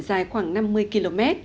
dài khoảng năm mươi km